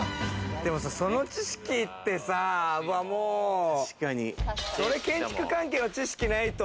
その知識ってさ、それ建築関係の知識ないと。